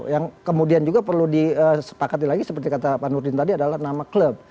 yang kemudian juga perlu disepakati lagi seperti kata pak nurdin tadi adalah nama klub